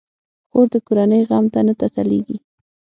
خور د کورنۍ غم ته نه تسلېږي.